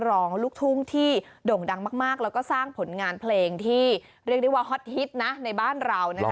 ร้องลูกทุ่งที่โด่งดังมากแล้วก็สร้างผลงานเพลงที่เรียกได้ว่าฮอตฮิตนะในบ้านเรานะคะ